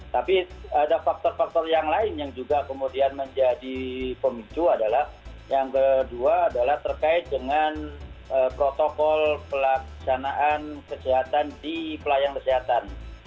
tapi ada faktor faktor yang lain yang juga kemudian menjadi pemicu adalah yang kedua adalah terkait dengan protokol pelaksanaan kesehatan di pelayanan kesehatan